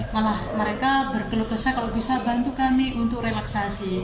malah mereka bergeluk gesa kalau bisa bantu kami untuk relaksasi